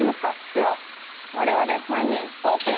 では我々３人オープン。